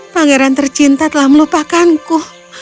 pangeran tercinta telah melupakanku